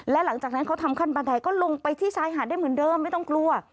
และหลังจากนั้นเขาทำขั้นบันไดก็ลงไปที่ชายหาดได้เหมือนเดิมไม่ต้องกลัว